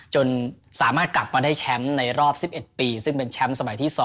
จนสามารถกลับมาได้แชมป์ในรอบ๑๑ปีซึ่งเป็นแชมป์สมัยที่๒